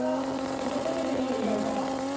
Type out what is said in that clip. そこ攻めていいよ意外と。